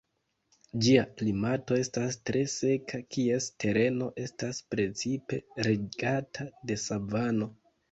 Ĝia klimato estas tre seka, kies tereno estas precipe regata de savano.